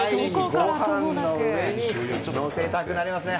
ご飯の上にのせたくなりますね。